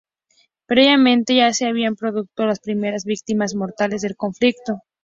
Previamente, ya se habían producido las primeras víctimas mortales del conflicto.